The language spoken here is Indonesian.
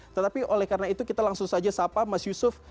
tetapi oleh karena itu kita langsung saja sapa mas yusuf